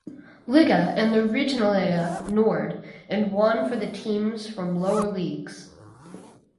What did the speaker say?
Liga and the Regionalliga Nord and one for the teams from lower leagues.